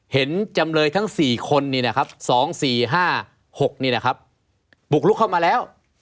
เห็นจำเลยทั้ง๔คนนี่นะครับ๒๔๕๖นี่นะครับปลุกลุกเข้ามาแล้ว